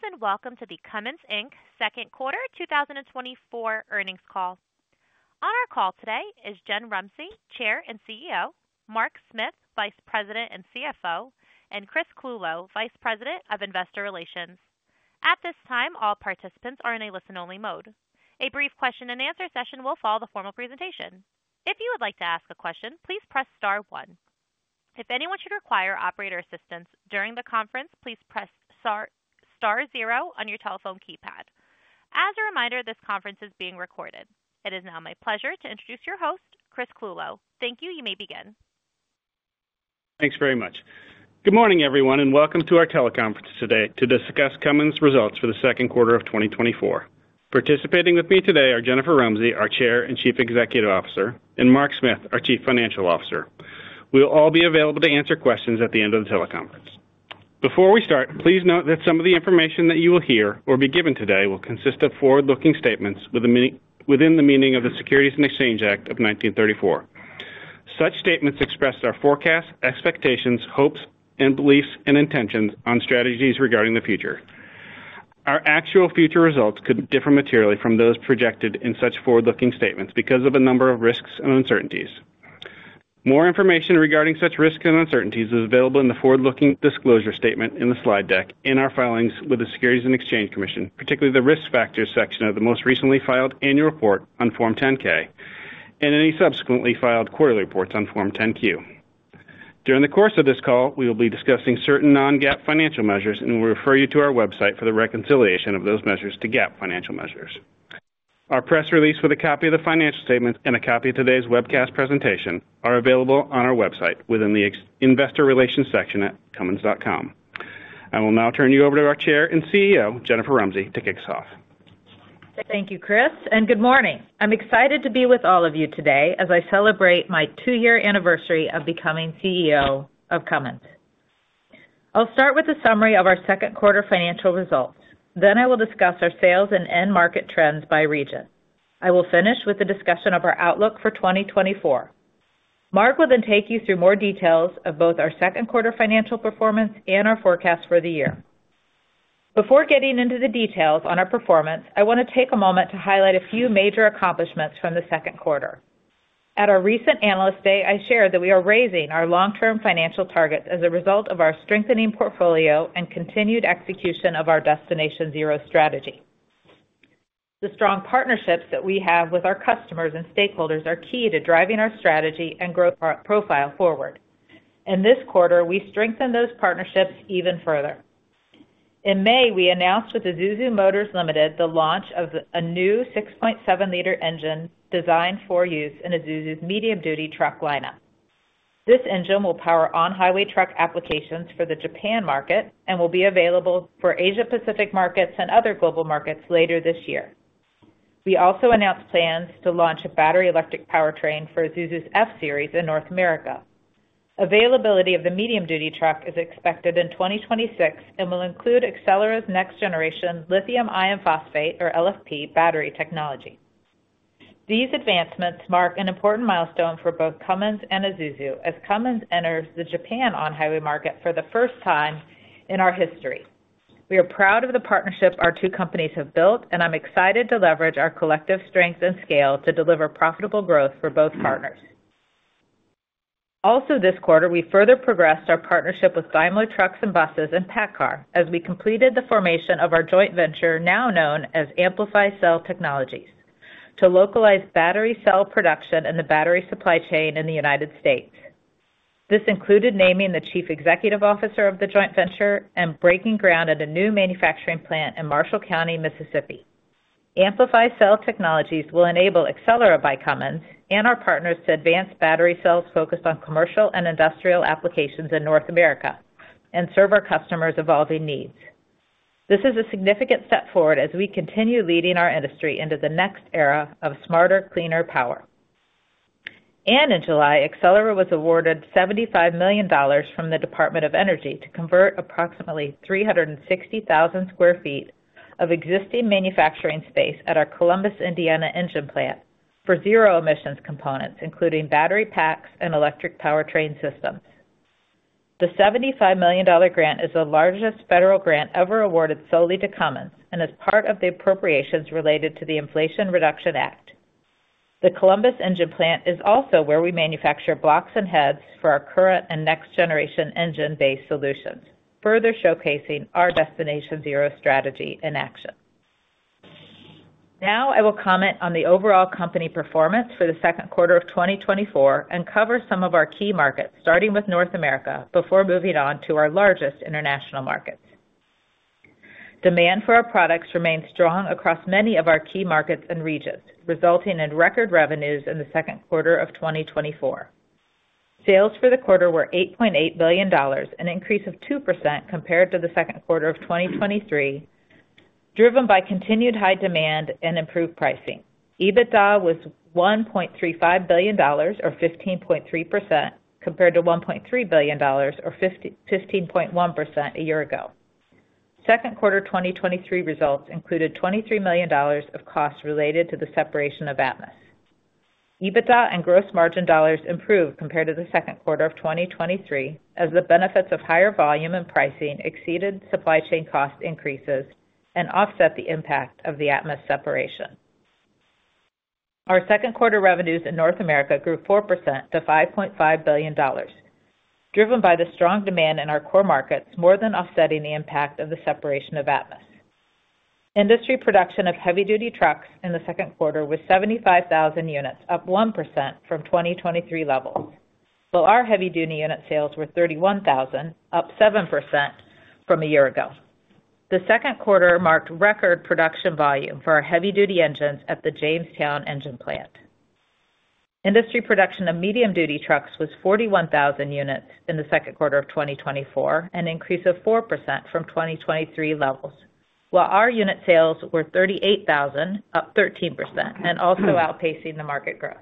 Greetings and welcome to the Cummins Inc. second quarter 2024 earnings call. On our call today is Jen Rumsey, Chair and CEO, Mark Smith, Vice President and CFO, and Chris Clulow, Vice President of Investor Relations. At this time, all participants are in a listen-only mode. A brief question-and-answer session will follow the formal presentation. If you would like to ask a question, please press star one. If anyone should require operator assistance during the conference, please press star zero on your telephone keypad. As a reminder, this conference is being recorded. It is now my pleasure to introduce your host, Chris Clulow. Thank you. You may begin. Thanks very much. Good morning, everyone, and welcome to our teleconference today to discuss Cummins' results for the second quarter of 2024. Participating with me today are Jennifer Rumsey, our Chair and Chief Executive Officer, and Mark Smith, our Chief Financial Officer. We'll all be available to answer questions at the end of the teleconference. Before we start, please note that some of the information that you will hear or be given today will consist of forward-looking statements within the meaning of the Securities and Exchange Act of 1934. Such statements express our forecasts, expectations, hopes, and beliefs, and intentions on strategies regarding the future. Our actual future results could differ materially from those projected in such forward-looking statements because of a number of risks and uncertainties. More information regarding such risks and uncertainties is available in the forward-looking disclosure statement in the slide deck in our filings with the Securities and Exchange Commission, particularly the risk factors section of the most recently filed annual report on Form 10-K and any subsequently filed quarterly reports on Form 10-Q. During the course of this call, we will be discussing certain non-GAAP financial measures and will refer you to our website for the reconciliation of those measures to GAAP financial measures. Our press release with a copy of the financial statements and a copy of today's webcast presentation are available on our website within the Investor Relations section at cummins.com. I will now turn you over to our Chair and CEO, Jennifer Rumsey, to kick us off. Thank you, Chris, and good morning. I'm excited to be with all of you today as I celebrate my two-year anniversary of becoming CEO of Cummins. I'll start with a summary of our second quarter financial results. Then I will discuss our sales and end market trends by region. I will finish with a discussion of our outlook for 2024. Mark will then take you through more details of both our second quarter financial performance and our forecast for the year. Before getting into the details on our performance, I want to take a moment to highlight a few major accomplishments from the second quarter. At our recent Analyst Day, I shared that we are raising our long-term financial targets as a result of our strengthening portfolio and continued execution of our Destination Zero strategy. The strong partnerships that we have with our customers and stakeholders are key to driving our strategy and growth profile forward. In this quarter, we strengthen those partnerships even further. In May, we announced with Isuzu Motors Limited the launch of a new 6.7-liter engine designed for use in Isuzu's medium-duty truck lineup. This engine will power on-highway truck applications for the Japan market and will be available for Asia-Pacific markets and other global markets later this year. We also announced plans to launch a battery-electric powertrain for Isuzu's F-Series in North America. Availability of the medium-duty truck is expected in 2026 and will include Accelera's next-generation lithium iron phosphate, or LFP, battery technology. These advancements mark an important milestone for both Cummins and Isuzu as Cummins enters the Japan on-highway market for the first time in our history. We are proud of the partnership our two companies have built, and I'm excited to leverage our collective strength and scale to deliver profitable growth for both partners. Also, this quarter, we further progressed our partnership with Daimler Truck and PACCAR as we completed the formation of our joint venture now known as Amplify Cell Technologies to localize battery cell production in the battery supply chain in the United States. This included naming the Chief Executive Officer of the joint venture and breaking ground at a new manufacturing plant in Marshall County, Mississippi. Amplify Cell Technologies will enable Accelera by Cummins and our partners to advance battery cells focused on commercial and industrial applications in North America and serve our customers' evolving needs. This is a significant step forward as we continue leading our industry into the next era of smarter, cleaner power. In July, Accelera was awarded $75 million from the Department of Energy to convert approximately 360,000 sq ft of existing manufacturing space at our Columbus, Indiana, engine plant for zero-emissions components, including battery packs and electric powertrain systems. The $75 million grant is the largest federal grant ever awarded solely to Cummins and is part of the appropriations related to the Inflation Reduction Act. The Columbus Engine Plant is also where we manufacture blocks and heads for our current and next-generation engine-based solutions, further showcasing our Destination Zero strategy in action. Now, I will comment on the overall company performance for the second quarter of 2024 and cover some of our key markets, starting with North America before moving on to our largest international markets. Demand for our products remained strong across many of our key markets and regions, resulting in record revenues in the second quarter of 2024. Sales for the quarter were $8.8 billion, an increase of 2% compared to the second quarter of 2023, driven by continued high demand and improved pricing. EBITDA was $1.35 billion, or 15.3%, compared to $1.3 billion, or 15.1% a year ago. Second quarter 2023 results included $23 million of costs related to the separation of Atmus. EBITDA and gross margin dollars improved compared to the second quarter of 2023, as the benefits of higher volume and pricing exceeded supply chain cost increases and offset the impact of the Atmus separation. Our second quarter revenues in North America grew 4% to $5.5 billion, driven by the strong demand in our core markets, more than offsetting the impact of the separation of Atmus. Industry production of heavy-duty trucks in the second quarter was 75,000 units, up 1% from 2023 levels, while our heavy-duty unit sales were 31,000, up 7% from a year ago. The second quarter marked record production volume for our heavy-duty engines at the Jamestown Engine Plant. Industry production of medium-duty trucks was 41,000 units in the second quarter of 2024, an increase of 4% from 2023 levels, while our unit sales were 38,000, up 13%, and also outpacing the market growth.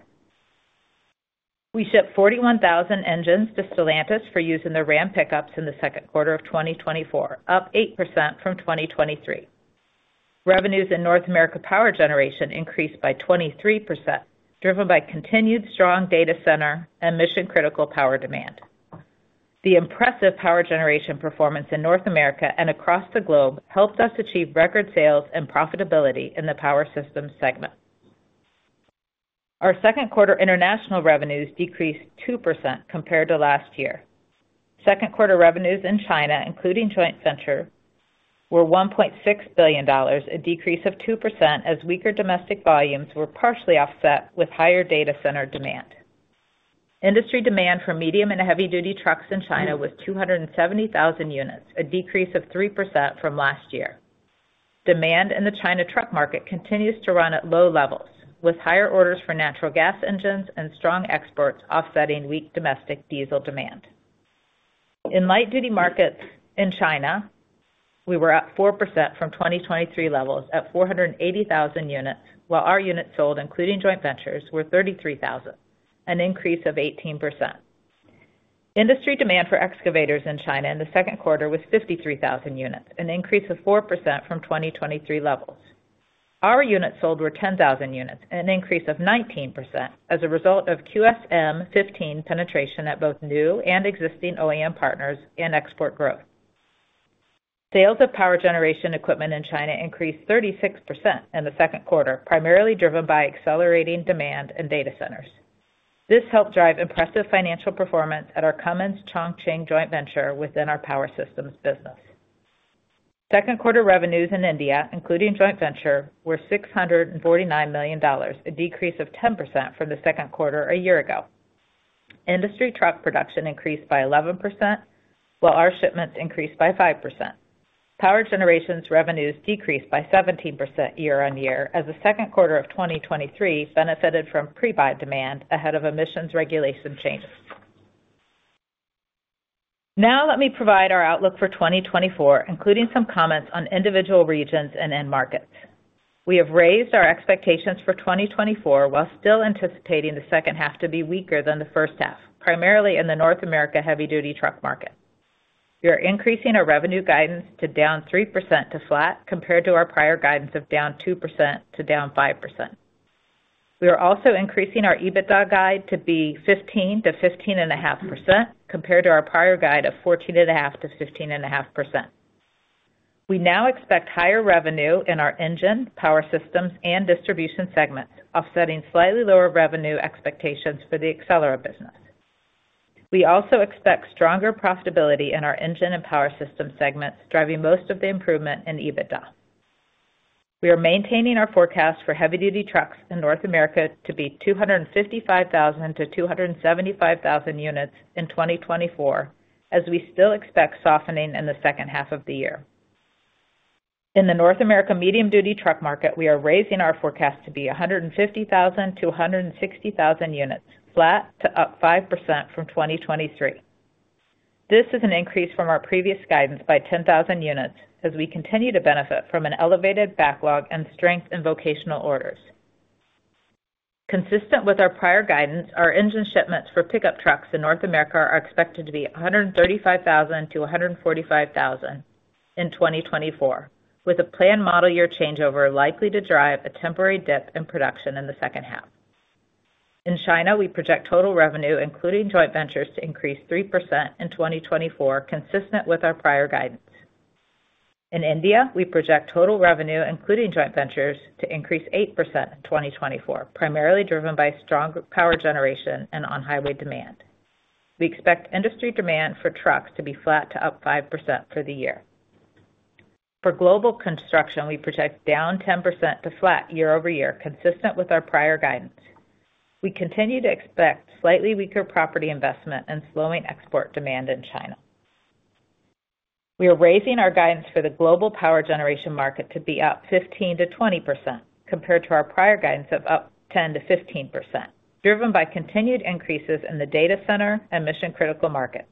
We shipped 41,000 engines to Stellantis for use in the Ram pickups in the second quarter of 2024, up 8% from 2023. Revenues in North America power generation increased by 23%, driven by continued strong data center and mission-critical power demand. The impressive power generation performance in North America and across the globe helped us achieve record sales and profitability in the Power Systems segment. Our second quarter international revenues decreased 2% compared to last year. Second quarter revenues in China, including joint venture, were $1.6 billion, a decrease of 2% as weaker domestic volumes were partially offset with higher data center demand. Industry demand for medium and heavy-duty trucks in China was 270,000 units, a decrease of 3% from last year. Demand in the China truck market continues to run at low levels, with higher orders for natural gas engines and strong exports offsetting weak domestic diesel demand. In light-duty markets in China, we were up 4% from 2023 levels at 480,000 units, while our units sold, including joint ventures, were 33,000, an increase of 18%. Industry demand for excavators in China in the second quarter was 53,000 units, an increase of 4% from 2023 levels. Our units sold were 10,000 units, an increase of 19% as a result of QSM15 penetration at both new and existing OEM partners and export growth. Sales of power generation equipment in China increased 36% in the second quarter, primarily driven by accelerating demand in data centers. This helped drive impressive financial performance at our Cummins Chongqing joint venture within our Power Systems business. Second quarter revenues in India, including joint venture, were $649 million, a decrease of 10% from the second quarter a year ago. Industry truck production increased by 11%, while our shipments increased by 5%. Power generation's revenues decreased by 17% year-on-year as the second quarter of 2023 benefited from pre-buy demand ahead of emissions regulation changes. Now, let me provide our outlook for 2024, including some comments on individual regions and end markets. We have raised our expectations for 2024 while still anticipating the second half to be weaker than the first half, primarily in the North America heavy-duty truck market. We are increasing our revenue guidance to down 3% to flat compared to our prior guidance of down 2% to down 5%. We are also increasing our EBITDA guide to be 15%-15.5% compared to our prior guide of 14.5%-15.5%. We now expect higher revenue in our engine, Power Systems, and Distribution segments, offsetting slightly lower revenue expectations for the Accelera business. We also expect stronger profitability in our engine and Power Systems segments, driving most of the improvement in EBITDA. We are maintaining our forecast for heavy-duty trucks in North America to be 255,000-275,000 units in 2024, as we still expect softening in the second half of the year. In the North America medium-duty truck market, we are raising our forecast to be 150,000-160,000 units, flat to up 5% from 2023. This is an increase from our previous guidance by 10,000 units as we continue to benefit from an elevated backlog and strength in vocational orders. Consistent with our prior guidance, our engine shipments for pickup trucks in North America are expected to be 135,000-145,000 in 2024, with a planned model year changeover likely to drive a temporary dip in production in the second half. In China, we project total revenue, including joint ventures, to increase 3% in 2024, consistent with our prior guidance. In India, we project total revenue, including joint ventures, to increase 8% in 2024, primarily driven by strong power generation and on-highway demand. We expect industry demand for trucks to be flat to up 5% for the year. For global construction, we project down 10% to flat year-over-year, consistent with our prior guidance. We continue to expect slightly weaker property investment and slowing export demand in China. We are raising our guidance for the global power generation market to be up 15%-20% compared to our prior guidance of up 10%-15%, driven by continued increases in the data center and mission-critical markets.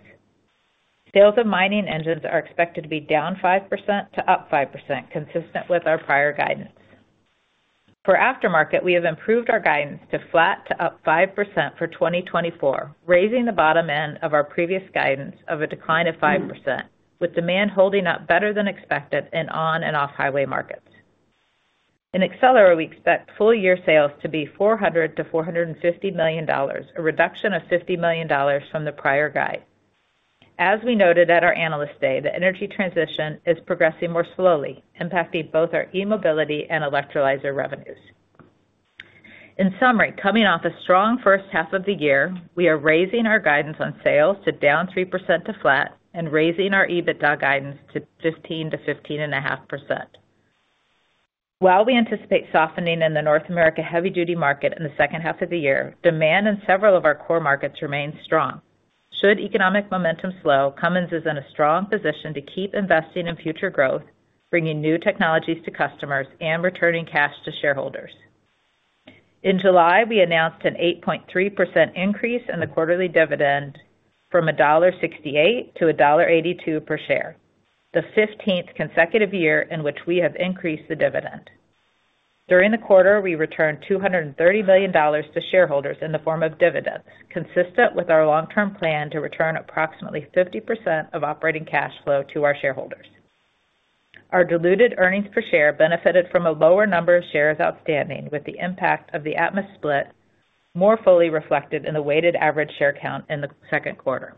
Sales of mining engines are expected to be down 5% to up 5%, consistent with our prior guidance. For aftermarket, we have improved our guidance to flat to up 5% for 2024, raising the bottom end of our previous guidance of a decline of 5%, with demand holding up better than expected in on- and off-highway markets. In Accelera, we expect full-year sales to be $400 million-$450 million, a reduction of $50 million from the prior guide. As we noted at our Analyst Day, the energy transition is progressing more slowly, impacting both our e-mobility and electrolyzer revenues. In summary, coming off a strong first half of the year, we are raising our guidance on sales to down 3% to flat and raising our EBITDA guidance to 15%-15.5%. While we anticipate softening in the North America heavy-duty market in the second half of the year, demand in several of our core markets remains strong. Should economic momentum slow, Cummins is in a strong position to keep investing in future growth, bringing new technologies to customers and returning cash to shareholders. In July, we announced an 8.3% increase in the quarterly dividend from $1.68-$1.82 per share, the 15th consecutive year in which we have increased the dividend. During the quarter, we returned $230 million to shareholders in the form of dividends, consistent with our long-term plan to return approximately 50% of operating cash flow to our shareholders. Our diluted earnings per share benefited from a lower number of shares outstanding, with the impact of the Atmus split more fully reflected in the weighted average share count in the second quarter.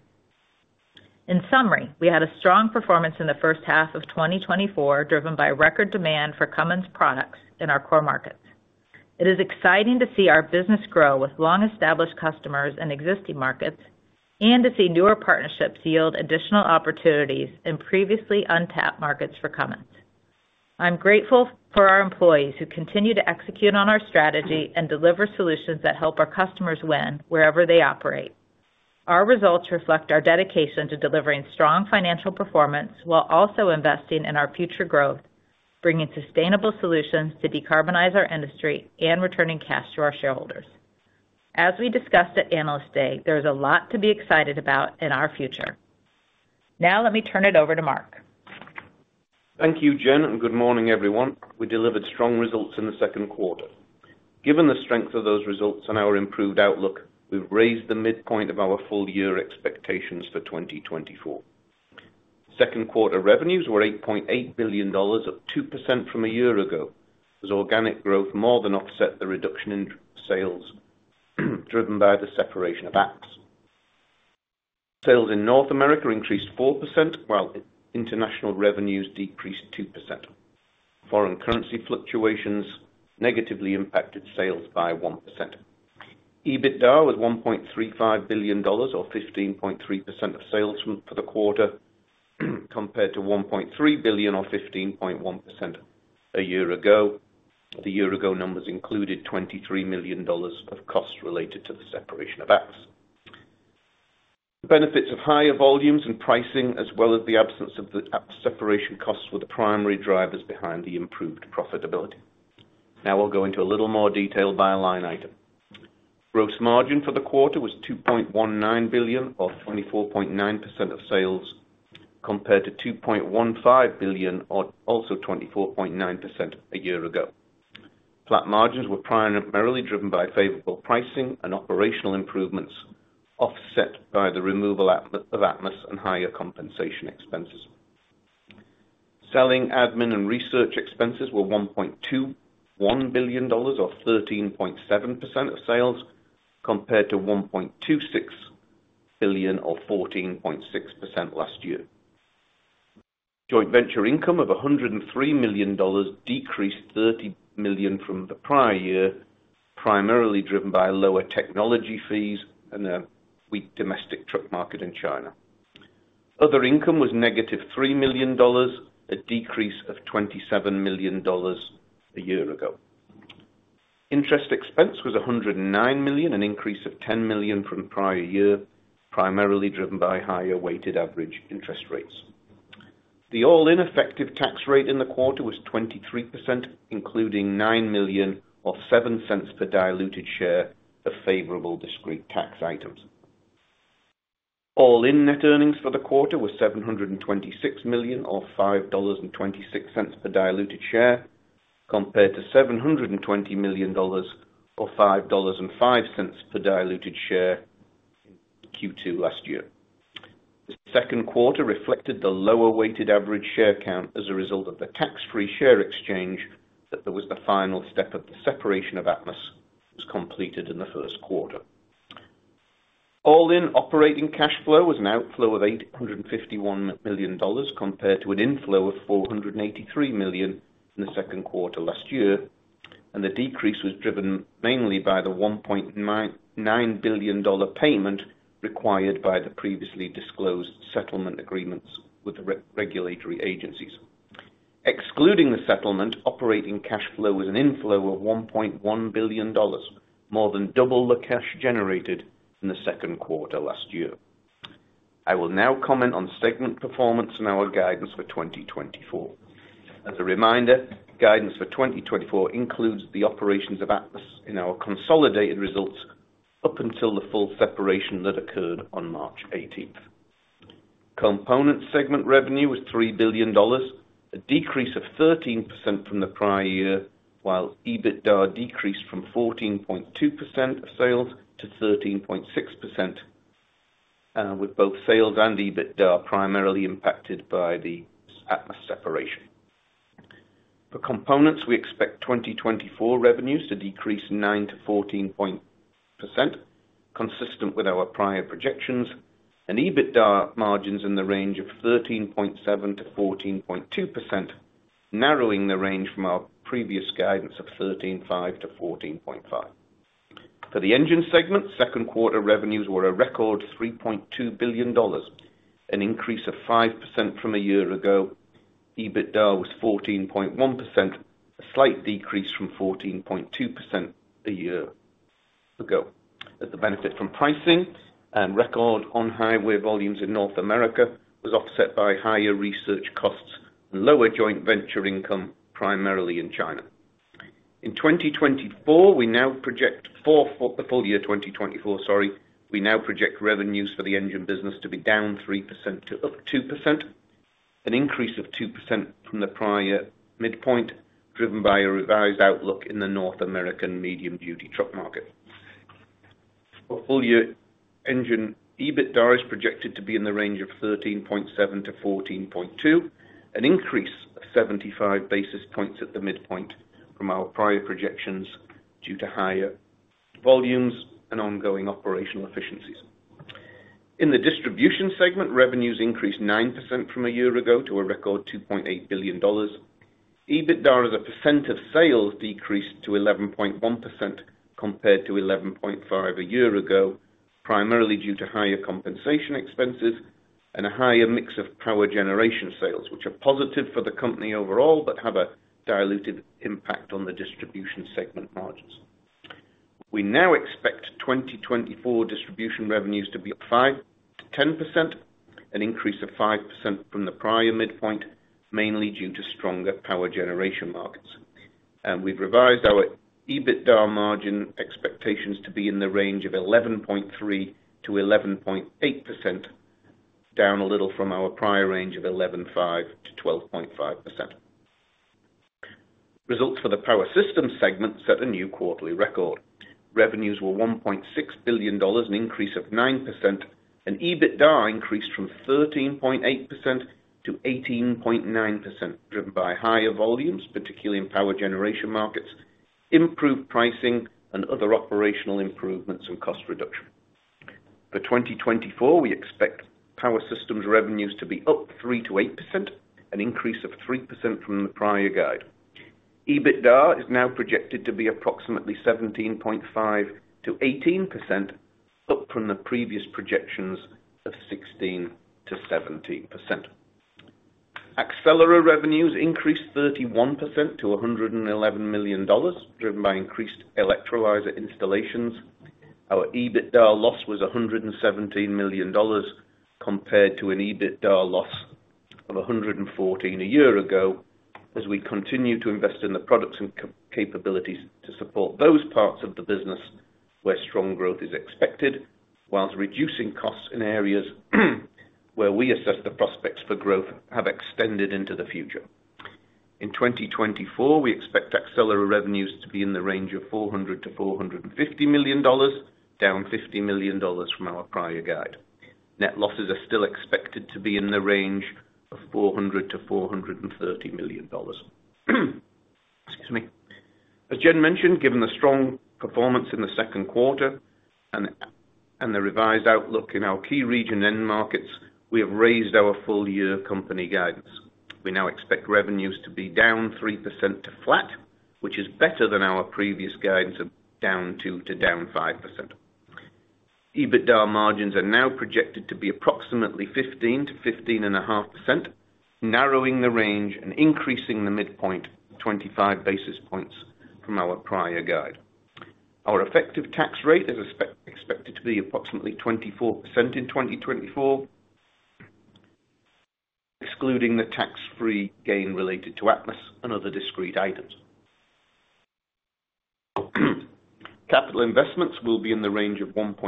In summary, we had a strong performance in the first half of 2024, driven by record demand for Cummins products in our core markets. It is exciting to see our business grow with long-established customers in existing markets and to see newer partnerships yield additional opportunities in previously untapped markets for Cummins. I'm grateful for our employees who continue to execute on our strategy and deliver solutions that help our customers win wherever they operate. Our results reflect our dedication to delivering strong financial performance while also investing in our future growth, bringing sustainable solutions to decarbonize our industry and returning cash to our shareholders. As we discussed at Analyst Day, there is a lot to be excited about in our future. Now, let me turn it over to Mark. Thank you, Jen, and good morning, everyone. We delivered strong results in the second quarter. Given the strength of those results and our improved outlook, we've raised the midpoint of our full-year expectations for 2024. Second quarter revenues were $8.8 billion, up 2% from a year ago, as organic growth more than offset the reduction in sales driven by the separation of Atmus. Sales in North America increased 4%, while international revenues decreased 2%. Foreign currency fluctuations negatively impacted sales by 1%. EBITDA was $1.35 billion, or 15.3% of sales for the quarter, compared to $1.3 billion, or 15.1% a year ago. The year-ago numbers included $23 million of costs related to the separation of Atmus. The benefits of higher volumes and pricing, as well as the absence of the separation costs, were the primary drivers behind the improved profitability. Now, I'll go into a little more detail by line item. Gross margin for the quarter was $2.19 billion, or 24.9% of sales, compared to $2.15 billion, or also 24.9% a year ago. Flat margins were primarily driven by favorable pricing and operational improvements, offset by the removal of Atmus and higher compensation expenses. Selling, admin, and research expenses were $1.21 billion, or 13.7% of sales, compared to $1.26 billion, or 14.6% last year. Joint venture income of $103 million decreased $30 million from the prior year, primarily driven by lower technology fees and a weak domestic truck market in China. Other income was negative $3 million, a decrease of $27 million a year ago. Interest expense was $109 million, an increase of $10 million from the prior year, primarily driven by higher weighted average interest rates. The all-in effective tax rate in the quarter was 23%, including $9.07 per diluted share of favorable discrete tax items. All-in net earnings for the quarter were $726 million, or $5.26 per diluted share, compared to $720 million, or $5.05 per diluted share in Q2 last year. The second quarter reflected the lower weighted average share count as a result of the tax-free share exchange that was the final step of the separation of Atmus that was completed in the first quarter. All-in operating cash flow was an outflow of $851 million compared to an inflow of $483 million in the second quarter last year, and the decrease was driven mainly by the $1.9 billion payment required by the previously disclosed settlement agreements with the regulatory agencies. Excluding the settlement, operating cash flow was an inflow of $1.1 billion, more than double the cash generated in the second quarter last year. I will now comment on segment performance in our guidance for 2024. As a reminder, guidance for 2024 includes the operations of Atmus in our consolidated results up until the full separation that occurred on March 18th. Components segment revenue was $3 billion, a decrease of 13% from the prior year, while EBITDA decreased from 14.2% of sales to 13.6%, with both sales and EBITDA primarily impacted by the Atmus separation. For components, we expect 2024 revenues to decrease 9% to $14.8 billion, consistent with our prior projections, and EBITDA margins in the range of 13.7%-14.2%, narrowing the range from our previous guidance of 13.5%-14.5%. For the Engine segment, second quarter revenues were a record $3.2 billion, an increase of 5% from a year ago. EBITDA was 14.1%, a slight decrease from 14.2% a year ago. As the benefit from pricing and record on-highway volumes in North America was offset by higher research costs and lower joint venture income, primarily in China. In 2024, we now project full-year 2024, sorry, we now project revenues for the engine business to be down 3% to up 2%, an increase of 2% from the prior midpoint, driven by a revised outlook in the North American medium-duty truck market. Full-year engine EBITDA is projected to be in the range of 13.7%-14.2%, an increase of 75 basis points at the midpoint from our prior projections due to higher volumes and ongoing operational efficiencies. In the Distribution segment, revenues increased 9% from a year ago to a record $2.8 billion. EBITDA as a percent of sales decreased to 11.1% compared to 11.5% a year ago, primarily due to higher compensation expenses and a higher mix of power generation sales, which are positive for the company overall but have a diluted impact on the Distribution segment margins. We now expect 2024 distribution revenues to be up 5%-10%, an increase of 5% from the prior midpoint, mainly due to stronger power generation markets. We've revised our EBITDA margin expectations to be in the range of 11.3%-11.8%, down a little from our prior range of 11.5%-12.5%. Results for the Power Systems segment set a new quarterly record. Revenues were $1.6 billion, an increase of 9%, and EBITDA increased from 13.8%-18.9%, driven by higher volumes, particularly in power generation markets, improved pricing, and other operational improvements and cost reduction. For 2024, we expect Power Systems revenues to be up 3%-8%, an increase of 3% from the prior guide. EBITDA is now projected to be approximately 17.5%-18%, up from the previous projections of 16%-17%. Accelera revenues increased 31% to $111 million, driven by increased electrolyzer installations. Our EBITDA loss was $117 million compared to an EBITDA loss of $114 million a year ago, as we continue to invest in the products and capabilities to support those parts of the business where strong growth is expected, while reducing costs in areas where we assess the prospects for growth have extended into the future. In 2024, we expect Accelera revenues to be in the range of $400 million-$450 million, down $50 million from our prior guide. Net losses are still expected to be in the range of $400 million-$430 million. Excuse me. As Jen mentioned, given the strong performance in the second quarter and the revised outlook in our key region and markets, we have raised our full-year company guidance. We now expect revenues to be down 3% to flat, which is better than our previous guidance of down 2% to down 5%. EBITDA margins are now projected to be approximately 15%-15.5%, narrowing the range and increasing the midpoint 25 basis points from our prior guide. Our effective tax rate is expected to be approximately 24% in 2024, excluding the tax-free gain related to Atmus and other discrete items. Capital investments will be in the range of $1.2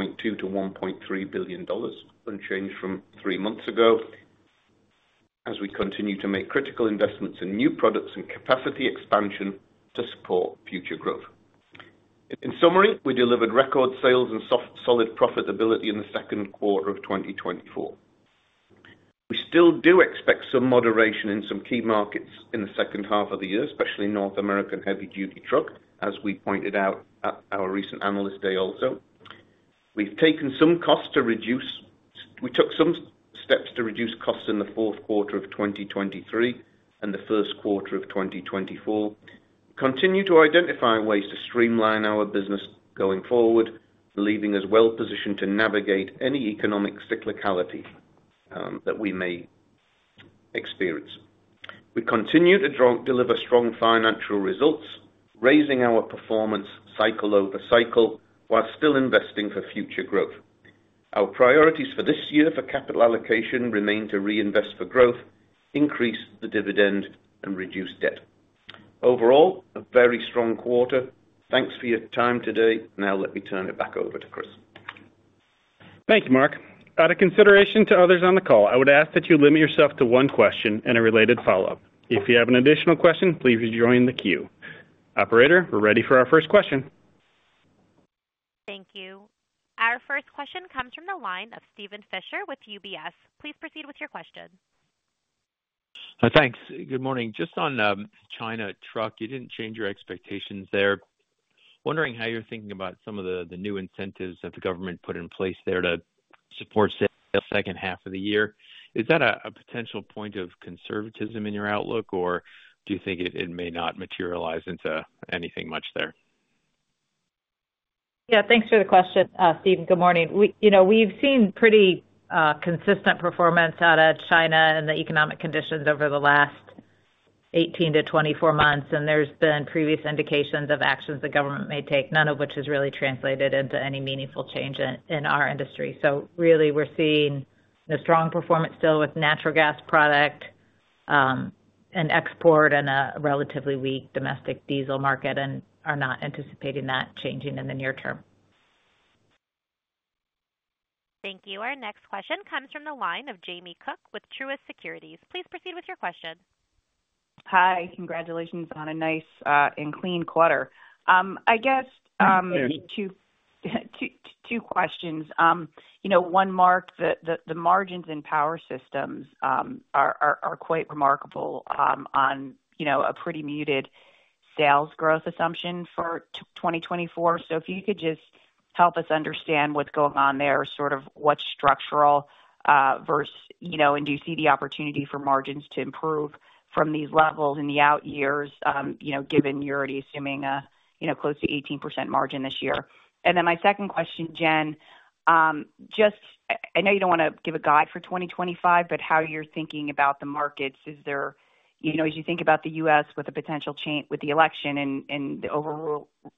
billion-$1.3 billion, unchanged from three months ago, as we continue to make critical investments in new products and capacity expansion to support future growth. In summary, we delivered record sales and solid profitability in the second quarter of 2024. We still do expect some moderation in some key markets in the second half of the year, especially North American heavy-duty truck, as we pointed out at our recent Analyst Day also. We've taken some steps to reduce costs in the fourth quarter of 2023 and the first quarter of 2024. We continue to identify ways to streamline our business going forward, leaving us well-positioned to navigate any economic cyclicality that we may experience. We continue to deliver strong financial results, raising our performance cycle over cycle while still investing for future growth. Our priorities for this year for capital allocation remain to reinvest for growth, increase the dividend, and reduce debt. Overall, a very strong quarter. Thanks for your time today. Now, let me turn it back over to Chris. Thank you, Mark. Out of consideration to others on the call, I would ask that you limit yourself to one question and a related follow-up. If you have an additional question, please join the queue. Operator, we're ready for our first question. Thank you. Our first question comes from the line of Stephen Fisher with UBS. Please proceed with your question. Thanks. Good morning. Just on China truck, you didn't change your expectations there. Wondering how you're thinking about some of the new incentives that the government put in place there to support sales the second half of the year. Is that a potential point of conservatism in your outlook, or do you think it may not materialize into anything much there? Yeah. Thanks for the question, Steven. Good morning. We've seen pretty consistent performance out of China and the economic conditions over the last 18-24 months, and there's been previous indications of actions the government may take, none of which has really translated into any meaningful change in our industry. So really, we're seeing a strong performance still with natural gas product and export and a relatively weak domestic diesel market, and are not anticipating that changing in the near term. Thank you. Our next question comes from the line of Jamie Cook with Truist Securities. Please proceed with your question. Hi. Congratulations on a nice and clean quarter. I guess. Thank you. Two questions. One, Mark, the margins in Power Systems are quite remarkable on a pretty muted sales growth assumption for 2024. So if you could just help us understand what's going on there, sort of what's structural versus and do you see the opportunity for margins to improve from these levels in the out years, given you're already assuming a close to 18% margin this year. And then my second question, Jen, just I know you don't want to give a guide for 2025, but how you're thinking about the markets is there as you think about the U.S. with the potential with the election and the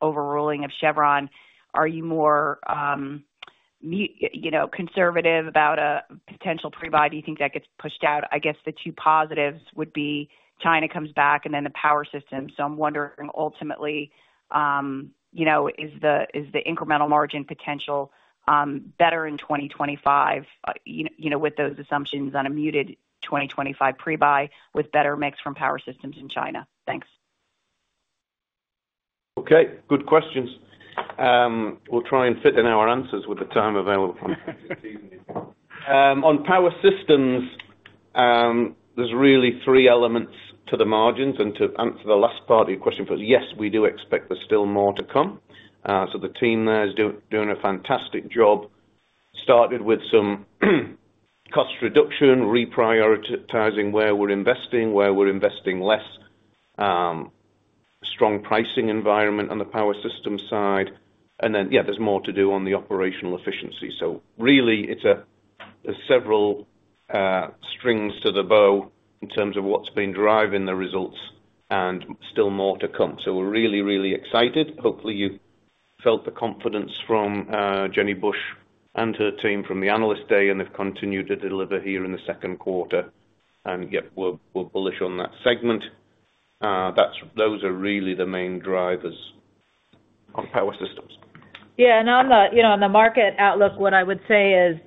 overruling of Chevron, are you more conservative about a potential prebuy? Do you think that gets pushed out? I guess the two positives would be China comes back and then the Power Systems. So I'm wondering, ultimately, is the incremental margin potential better in 2025 with those assumptions on a muted 2025 prebuy with better mix from Power Systems in China? Thanks. Okay. Good questions. We'll try and fit in our answers with the time available. On Power Systems, there's really three elements to the margins. And to answer the last part of your question, yes, we do expect there's still more to come. So the team there is doing a fantastic job, started with some cost reduction, reprioritizing where we're investing, where we're investing less, strong pricing environment on the power system side. And then, yeah, there's more to do on the operational efficiency. So really, it's several strings to the bow in terms of what's been driving the results and still more to come. So we're really, really excited. Hopefully, you felt the confidence from Jen Bush and her team from the Analyst Day and have continued to deliver here in the second quarter. And yeah, we're bullish on that segment. Those are really the main drivers on Power Systems. Yeah. And on the market outlook, what I would say is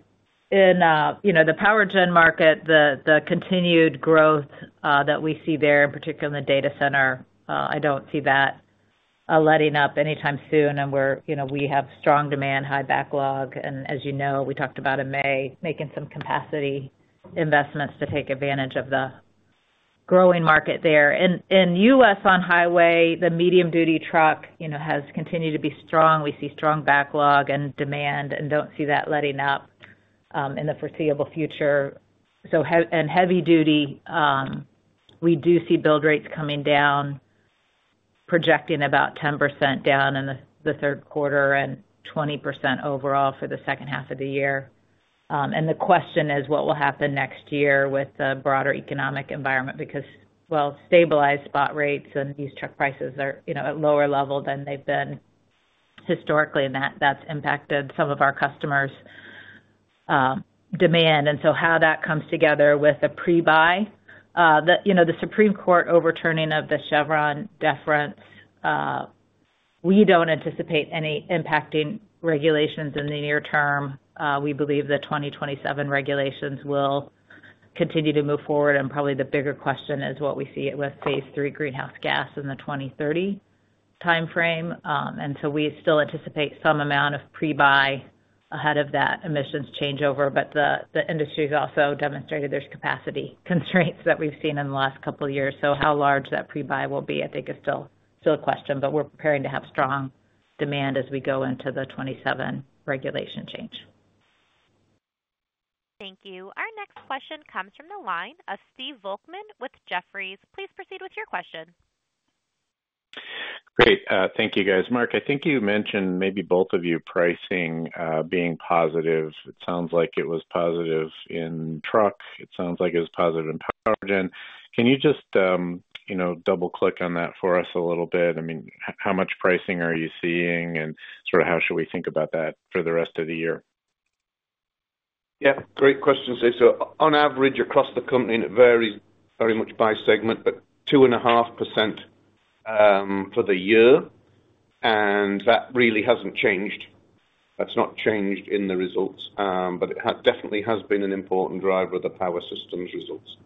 in the power gen market, the continued growth that we see there, in particular in the data center, I don't see that letting up anytime soon. And we have strong demand, high backlog. And as you know, we talked about in May making some capacity investments to take advantage of the growing market there. In U.S. on-highway, the medium-duty truck has continued to be strong. We see strong backlog and demand and don't see that letting up in the foreseeable future. And heavy-duty, we do see build rates coming down, projecting about 10% down in the third quarter and 20% overall for the second half of the year. And the question is, what will happen next year with the broader economic environment? Because, well, stabilized spot rates and these truck prices are at a lower level than they've been historically, and that's impacted some of our customers' demand. And so how that comes together with a prebuy, the Supreme Court overturning of the Chevron deference, we don't anticipate any impacting regulations in the near term. We believe the 2027 regulations will continue to move forward. And probably the bigger question is what we see with Phase 3 greenhouse gas in the 2030 timeframe. And so we still anticipate some amount of prebuy ahead of that emissions changeover. But the industry has also demonstrated there's capacity constraints that we've seen in the last couple of years. So how large that prebuy will be, I think, is still a question. But we're preparing to have strong demand as we go into the 2027 regulation change. Thank you. Our next question comes from the line of Steve Volkmann with Jefferies. Please proceed with your question. Great. Thank you, guys. Mark, I think you mentioned maybe both of you pricing being positive. It sounds like it was positive in truck. It sounds like it was positive in power gen. Can you just double-click on that for us a little bit? I mean, how much pricing are you seeing and sort of how should we think about that for the rest of the year? Yeah. Great questions, Steve. On average across the company, and it varies very much by segment, but 2.5% for the year. And that really hasn't changed. That's not changed in the results. But it definitely has been an important driver of the Power Systems results.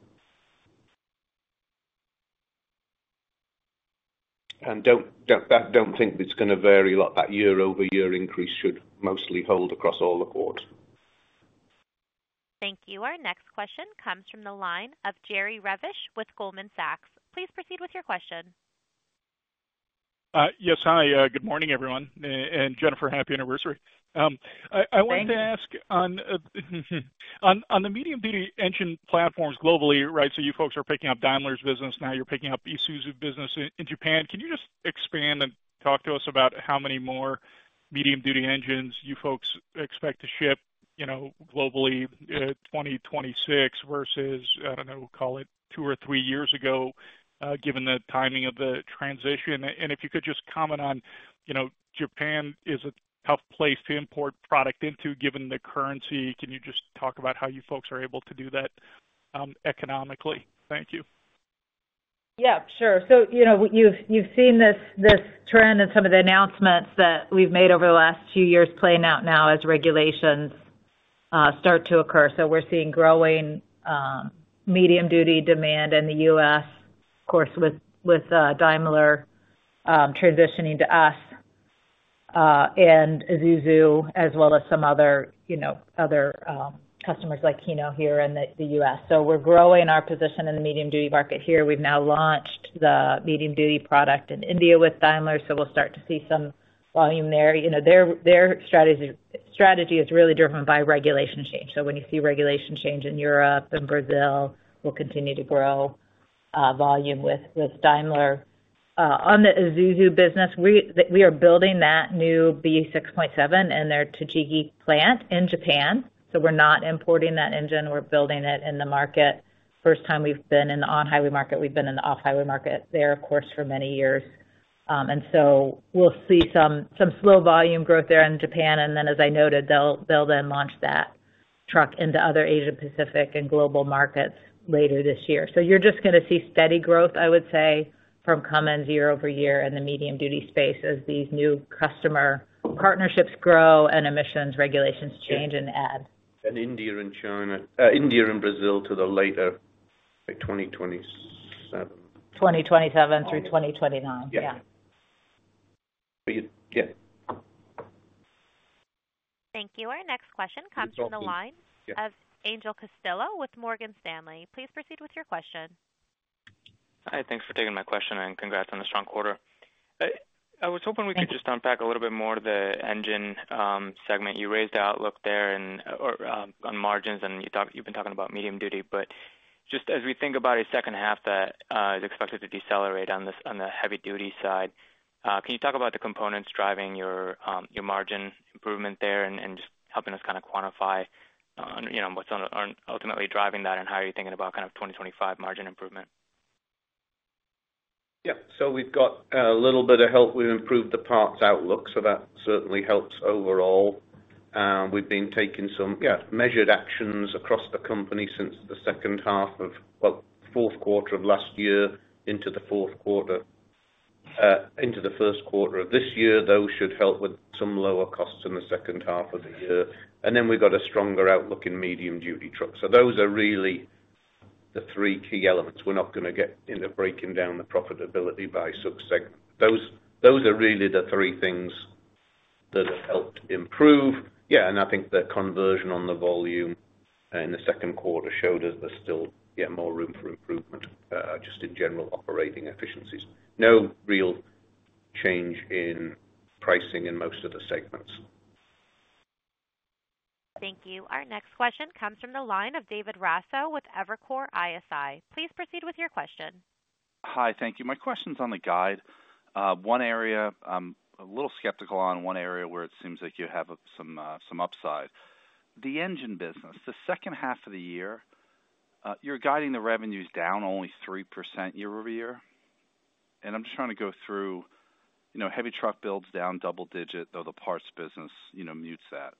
And don't think it's going to vary a lot. That year-over-year increase should mostly hold across all the quarters. Thank you. Our next question comes from the line of Jerry Revich with Goldman Sachs. Please proceed with your question. Yes. Hi. Good morning, everyone. And Jennifer, happy anniversary. I wanted to ask on the medium-duty engine platforms globally, right? So you folks are picking up Daimler's business. Now you're picking up Isuzu business in Japan. Can you just expand and talk to us about how many more medium-duty engines you folks expect to ship globally in 2026 versus, I don't know, call it 2 or 3 years ago, given the timing of the transition? And if you could just comment on Japan is a tough place to import product into given the currency. Can you just talk about how you folks are able to do that economically? Thank you. Yeah. Sure. So you've seen this trend and some of the announcements that we've made over the last few years playing out now as regulations start to occur. So we're seeing growing medium-duty demand in the U.S., of course, with Daimler transitioning to us and Isuzu, as well as some other customers like Hino here in the U.S. So we're growing our position in the medium-duty market here. We've now launched the medium-duty product in India with Daimler. So we'll start to see some volume there. Their strategy is really driven by regulation change. So when you see regulation change in Europe and Brazil, we'll continue to grow volume with Daimler. On the Isuzu business, we are building that new B6.7 in their Tochigi Plant in Japan. So we're not importing that engine. We're building it in the market. First time we've been in the on-highway market. We've been in the off-highway market there, of course, for many years. And so we'll see some slow volume growth there in Japan. And then, as I noted, they'll then launch that truck into other Asia-Pacific and global markets later this year. So you're just going to see steady growth, I would say, from Cummins year over year in the medium-duty space as these new customer partnerships grow and emissions regulations change and add. And India and China. India and Brazil to the later 2027. 2027 through 2029. Yeah. Yeah. Thank you. Our next question comes from the line of Angel Castillo with Morgan Stanley. Please proceed with your question. Hi. Thanks for taking my question and congrats on the strong quarter. I was hoping we could just unpack a little bit more the Engine segment. You raised the outlook there on margins, and you've been talking about medium-duty. Just as we think about a second half that is expected to decelerate on the heavy-duty side, can you talk about the components driving your margin improvement there and just helping us kind of quantify what's ultimately driving that and how you're thinking about kind of 2025 margin improvement? Yeah. We've got a little bit of help. We've improved the parts outlook, so that certainly helps overall. We've been taking some, yeah, measured actions across the company since the second half of, well, fourth quarter of last year into the fourth quarter into the first quarter of this year. Those should help with some lower costs in the second half of the year. And then we've got a stronger outlook in medium-duty trucks. So those are really the three key elements. We're not going to get into breaking down the profitability by subsec. Those are really the three things that have helped improve. Yeah. And I think the conversion on the volume in the second quarter showed us there's still, yeah, more room for improvement just in general operating efficiencies. No real change in pricing in most of the segments. Thank you. Our next question comes from the line of David Raso with Evercore ISI. Please proceed with your question. Hi. Thank you. My question's on the guide. One area I'm a little skeptical on, one area where it seems like you have some upside. The engine business, the second half of the year, you're guiding the revenues down only 3% year-over-year. And I'm just trying to go through heavy truck builds down double-digit, though the parts business mutes that.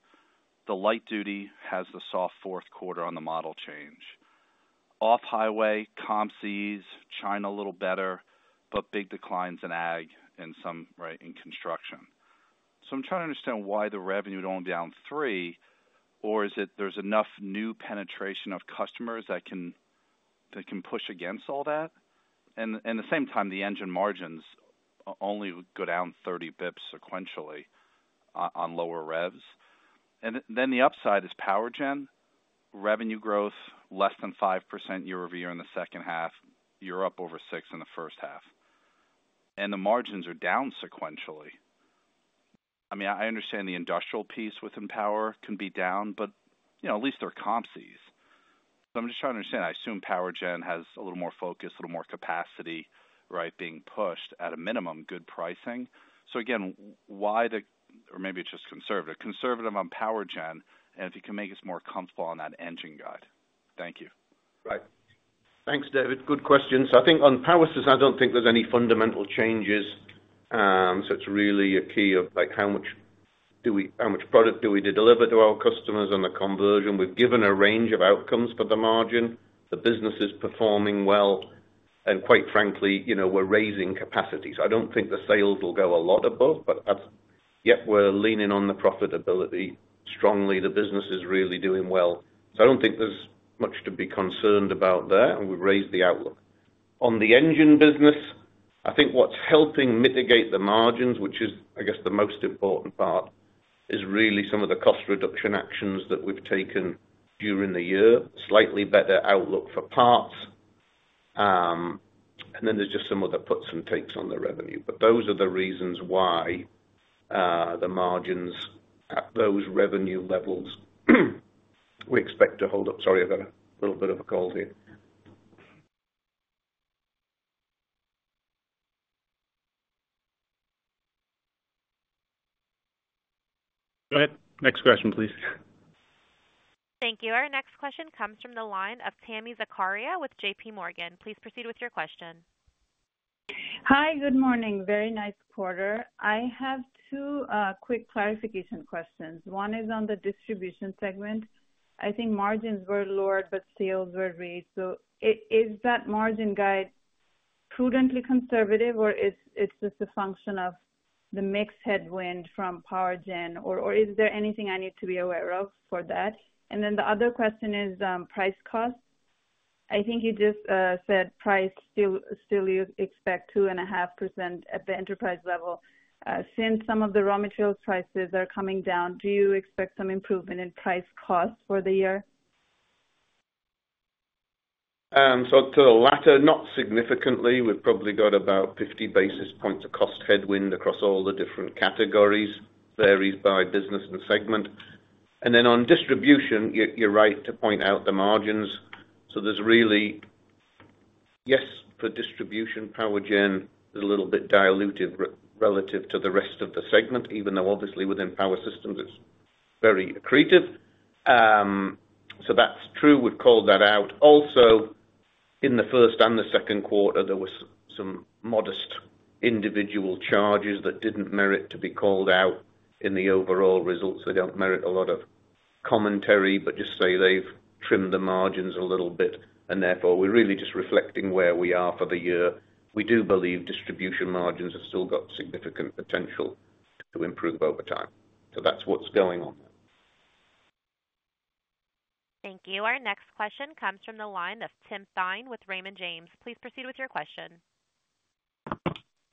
The light-duty has the soft fourth quarter on the model change. Off-highway, on-highway, China a little better, but big declines in ag and some, right, in construction. So I'm trying to understand why the revenue would only be down 3%, or is it there's enough new penetration of customers that can push against all that? And at the same time, the engine margins only go down 30 basis points sequentially on lower revs. And then the upside is power gen, revenue growth less than 5% year-over-year in the second half. You're up over 6% in the first half. And the margins are down sequentially. I mean, I understand the industrial piece within power can be down, but at least there are on-highway. So I'm just trying to understand. I assume power gen has a little more focus, a little more capacity, right, being pushed at a minimum good pricing. So again, why the, or maybe it's just conservative, conservative on power gen, and if you can make us more comfortable on that engine guide. Thank you. Right. Thanks, David. Good questions. I think on power system, I don't think there's any fundamental changes. So it's really a key of how much product do we deliver to our customers and the conversion. We've given a range of outcomes for the margin. The business is performing well. And quite frankly, we're raising capacity. So I don't think the sales will go a lot above, but yep, we're leaning on the profitability strongly. The business is really doing well. So I don't think there's much to be concerned about there. And we've raised the outlook. On the engine business, I think what's helping mitigate the margins, which is, I guess, the most important part, is really some of the cost reduction actions that we've taken during the year, slightly better outlook for parts. And then there's just some other puts and takes on the revenue. But those are the reasons why the margins at those revenue levels we expect to hold up. Sorry, I've got a little bit of a cold here. Go ahead. Next question, please. Thank you. Our next question comes from the line of Tami Zakaria with JPMorgan. Please proceed with your question. Hi. Good morning. Very nice quarter. I have two quick clarification questions. One is on the Distribution segment. I think margins were lowered, but sales were raised. So is that margin guide prudently conservative, or it's just a function of the mixed headwind from power gen? Or is there anything I need to be aware of for that? And then the other question is price cost. I think you just said price still you expect 2.5% at the enterprise level. Since some of the raw materials prices are coming down, do you expect some improvement in price cost for the year? So to the latter, not significantly. We've probably got about 50 basis points of cost headwind across all the different categories. Varies by business and segment. And then on distribution, you're right to point out the margins. So there's really, yes, for distribution, power gen is a little bit diluted relative to the rest of the segment, even though obviously within Power Systems, it's very accretive. So that's true. We've called that out. Also, in the first and second quarter, there were some modest individual charges that didn't merit to be called out in the overall results. They don't merit a lot of commentary, but just say they've trimmed the margins a little bit. And therefore, we're really just reflecting where we are for the year. We do believe distribution margins have still got significant potential to improve over time. So that's what's going on there. Thank you. Our next question comes from the line of Tim Thein with Raymond James. Please proceed with your question.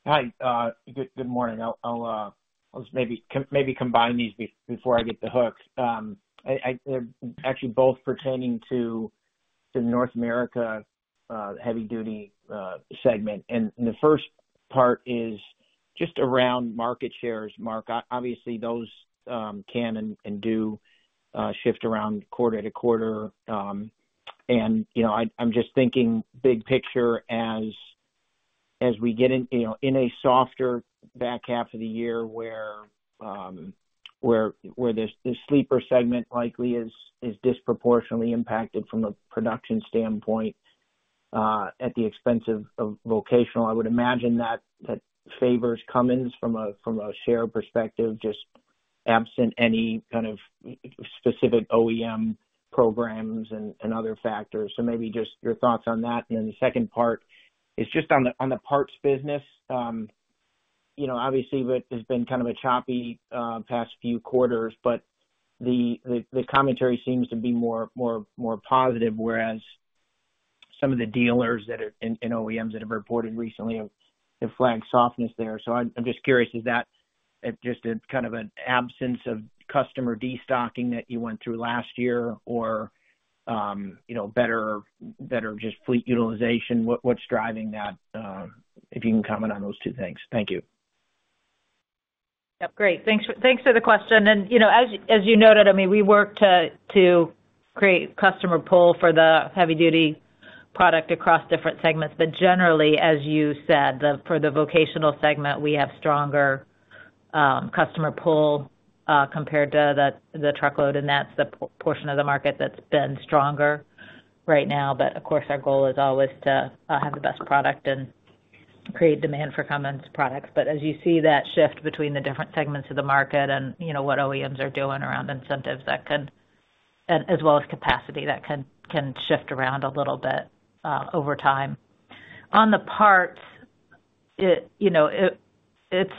Hi. Good morning. I'll just maybe combine these before I get the hook. They're actually both pertaining to North America heavy-duty segment. And the first part is just around market shares, Mark. Obviously, those can and do shift around quarter to quarter. I'm just thinking big picture as we get in a softer back half of the year where the sleeper segment likely is disproportionately impacted from a production standpoint at the expense of vocational. I would imagine that favors Cummins from a share perspective, just absent any kind of specific OEM programs and other factors. So maybe just your thoughts on that. And then the second part is just on the parts business. Obviously, it has been kind of a choppy past few quarters, but the commentary seems to be more positive, whereas some of the dealers and OEMs that have reported recently have flagged softness there. So I'm just curious, is that just kind of an absence of customer destocking that you went through last year or better just fleet utilization? What's driving that, if you can comment on those two things? Thank you. Yep. Great. Thanks for the question. As you noted, I mean, we work to create a customer pool for the heavy-duty product across different segments. Generally, as you said, for the vocational segment, we have stronger customer pool compared to the truckload. That's the portion of the market that's been stronger right now. Of course, our goal is always to have the best product and create demand for Cummins products. As you see that shift between the different segments of the market and what OEMs are doing around incentives, as well as capacity, that can shift around a little bit over time. On the parts, it's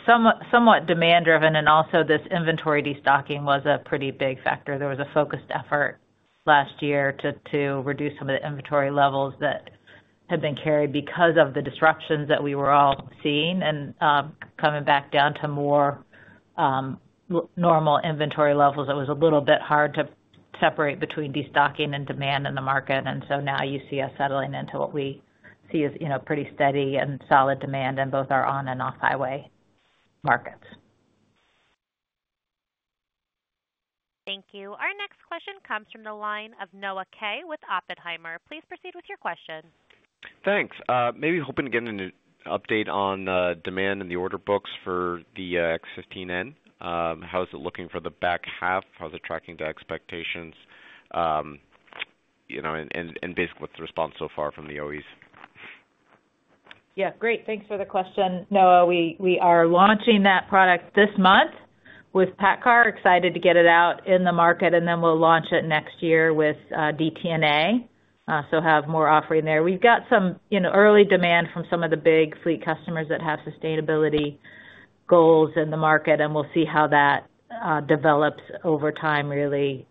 somewhat demand-driven. Also, this inventory destocking was a pretty big factor. There was a focused effort last year to reduce some of the inventory levels that had been carried because of the disruptions that we were all seeing. Coming back down to more normal inventory levels, it was a little bit hard to separate between destocking and demand in the market. So now you see us settling into what we see as pretty steady and solid demand in both our on- and off-highway markets. Thank you. Our next question comes from the line of Noah Kaye with Oppenheimer. Please proceed with your question. Thanks. Maybe hoping to get an update on demand in the order books for the X15N. How's it looking for the back half? How's it tracking to expectations? And basically, what's the response so far from the OEs? Yeah. Great. Thanks for the question, Noah. We are launching that product this month with PACCAR. Excited to get it out in the market. And then we'll launch it next year with DTNA. So have more offering there. We've got some early demand from some of the big fleet customers that have sustainability goals in the market. And we'll see how that develops over time, really,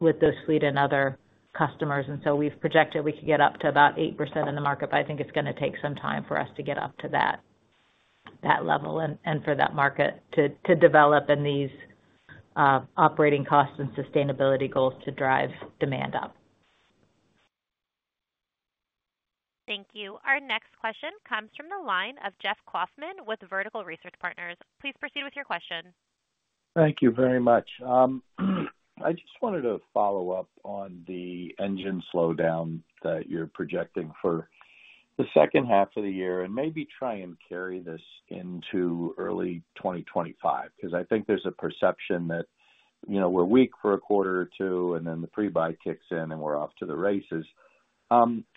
with those fleet and other customers. And so we've projected we could get up to about 8% in the market. But I think it's going to take some time for us to get up to that level and for that market to develop and these operating costs and sustainability goals to drive demand up. Thank you. Our next question comes from the line of Jeff Kauffman with Vertical Research Partners. Please proceed with your question. Thank you very much. I just wanted to follow up on the engine slowdown that you're projecting for the second half of the year and maybe try and carry this into early 2025 because I think there's a perception that we're weak for a quarter or two, and then the pre-buy kicks in, and we're off to the races.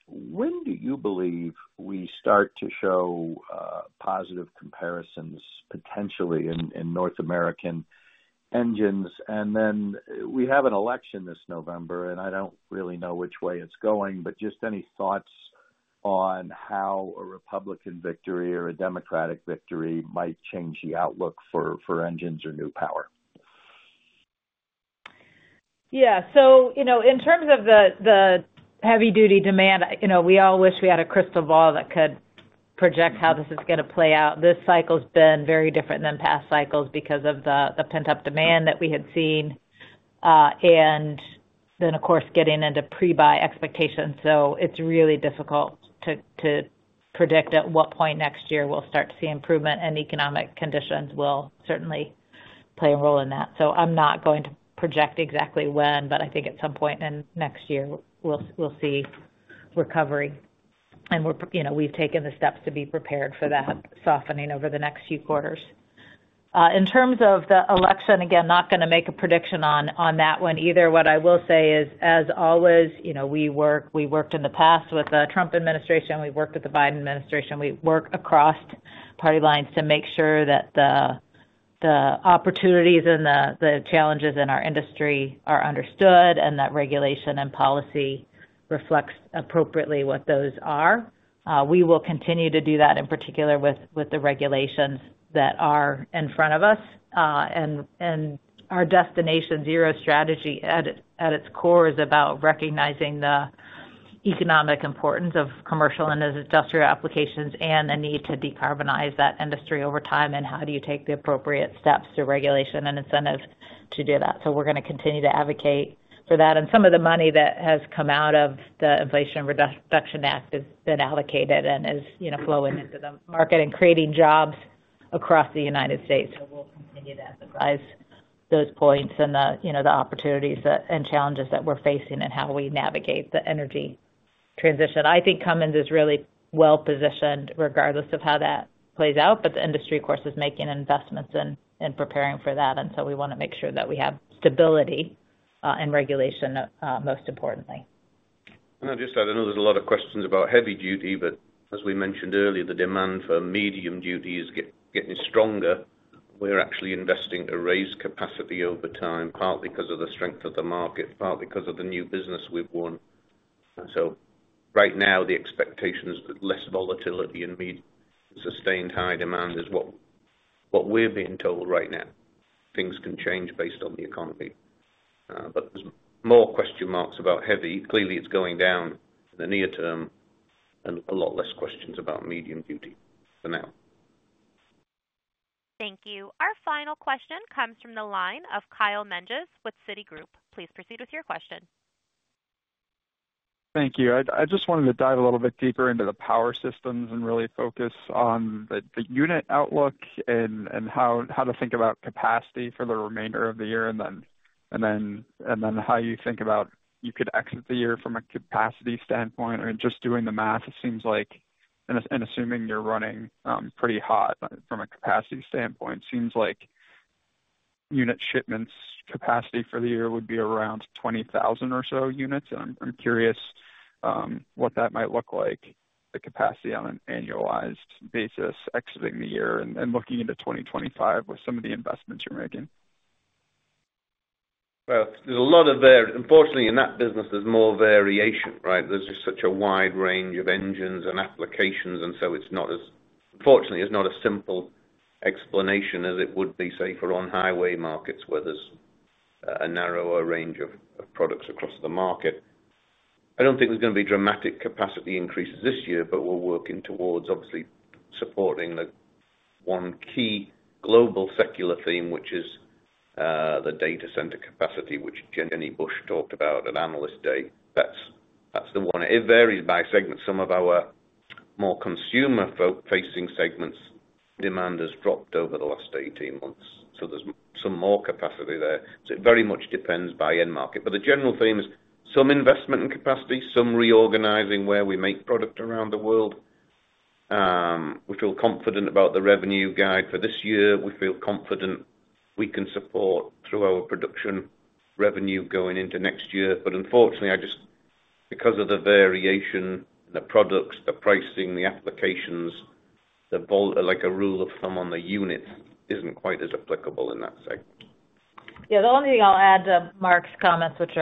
When do you believe we start to show positive comparisons potentially in North American engines? And then we have an election this November, and I don't really know which way it's going. But just any thoughts on how a Republican victory or a Democratic victory might change the outlook for engines or new power? Yeah. So in terms of the heavy-duty demand, we all wish we had a crystal ball that could project how this is going to play out. This cycle's been very different than past cycles because of the pent-up demand that we had seen. And then, of course, getting into pre-buy expectations. So it's really difficult to predict at what point next year we'll start to see improvement. And economic conditions will certainly play a role in that. So I'm not going to project exactly when, but I think at some point in next year, we'll see recovery. And we've taken the steps to be prepared for that softening over the next few quarters. In terms of the election, again, not going to make a prediction on that one either. What I will say is, as always, we worked in the past with the Trump administration. We worked with the Biden administration. We work across party lines to make sure that the opportunities and the challenges in our industry are understood and that regulation and policy reflects appropriately what those are. We will continue to do that, in particular with the regulations that are in front of us. Our Destination Zero Strategy, at its core is about recognizing the economic importance of commercial and industrial applications and the need to decarbonize that industry over time and how do you take the appropriate steps through regulation and incentives to do that. We're going to continue to advocate for that. Some of the money that has come out of the Inflation Reduction Act has been allocated and is flowing into the market and creating jobs across the United States. We'll continue to emphasize those points and the opportunities and challenges that we're facing and how we navigate the energy transition. I think Cummins is really well-positioned regardless of how that plays out. But the industry, of course, is making investments and preparing for that. And so we want to make sure that we have stability and regulation, most importantly. And I just add, I know there's a lot of questions about heavy duty, but as we mentioned earlier, the demand for medium duty is getting stronger. We're actually investing to raise capacity over time, partly because of the strength of the market, partly because of the new business we've won. So right now, the expectation is that less volatility and sustained high demand is what we're being told right now. Things can change based on the economy. But there's more question marks about heavy. Clearly, it's going down in the near term, and a lot less questions about medium duty for now. Thank you. Our final question comes from the line of Kyle Menges with Citigroup. Please proceed with your question. Thank you. I just wanted to dive a little bit deeper into the Power Systems and really focus on the unit outlook and how to think about capacity for the remainder of the year and then how you think about you could exit the year from a capacity standpoint. I mean, just doing the math, it seems like and assuming you're running pretty hot from a capacity standpoint, it seems like unit shipments capacity for the year would be around 20,000 or so units. And I'm curious what that might look like, the capacity on an annualized basis exiting the year and looking into 2025 with some of the investments you're making. Well, there's a lot of unfortunately, in that business, there's more variation, right? There's just such a wide range of engines and applications. So it's not as, unfortunately, it's not a simple explanation as it would be, say, for on-highway markets where there's a narrower range of products across the market. I don't think there's going to be dramatic capacity increases this year, but we're working towards, obviously, supporting the one key global secular theme, which is the data center capacity, which Jen Bush talked about at Analyst Day. That's the one. It varies by segment. Some of our more consumer-facing segments' demand has dropped over the last 18 months. So there's some more capacity there. So it very much depends by end market. But the general theme is some investment in capacity, some reorganizing where we make product around the world. We feel confident about the revenue guide for this year. We feel confident we can support through our production revenue going into next year. But unfortunately, because of the variation in the products, the pricing, the applications, the rule of thumb on the units isn't quite as applicable in that segment. Yeah. The only thing I'll add to Mark's comments, which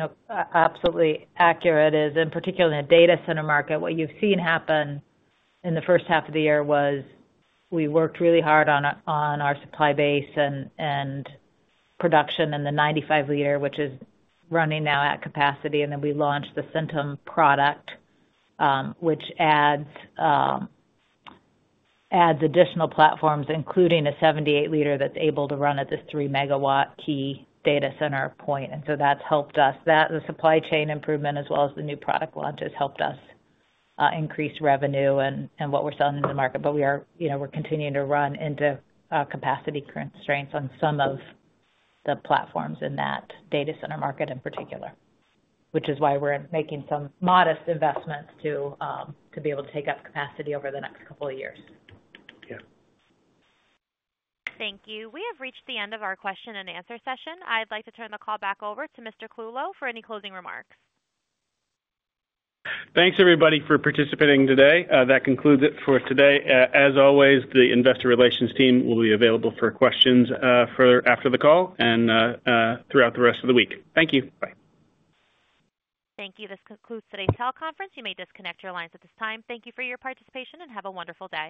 are absolutely accurate, is in particular in the data center market, what you've seen happen in the first half of the year was we worked really hard on our supply base and production and the 95-liter, which is running now at capacity. And then we launched the Centum product, which adds additional platforms, including a 78-liter that's able to run at this 3-megawatt key data center point. And so that's helped us. The supply chain improvement, as well as the new product launch, has helped us increase revenue and what we're selling in the market. But we're continuing to run into capacity constraints on some of the platforms in that data center market in particular, which is why we're making some modest investments to be able to take up capacity over the next couple of years. Yeah. Thank you. We have reached the end of our question and answer session. I'd like to turn the call back over to Mr. Clulow for any closing remarks. Thanks, everybody, for participating today. That concludes it for today. As always, the investor relations team will be available for questions after the call and throughout the rest of the week. Thank you. Bye. Thank you. This concludes today's teleconference. You may disconnect your lines at this time. Thank you for your participation and have a wonderful day.